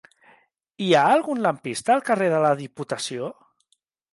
Hi ha algun lampista al carrer de la Diputació?